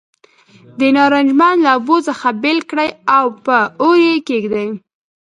د نارنج منځ له اوبو څخه بېل کړئ او په اور یې کېږدئ.